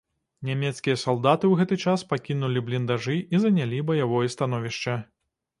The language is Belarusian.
Нямецкія салдаты ў гэты час пакінулі бліндажы і занялі баявое становішча.